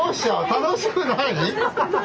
楽しくない？